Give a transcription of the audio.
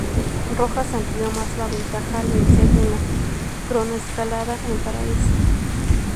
Rojas amplió más la ventaja al vencer en la cronoescalada en Paraíso.